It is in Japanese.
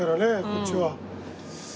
こっちは。